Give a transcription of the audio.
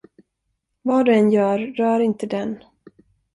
Vad du än gör, rör inte den.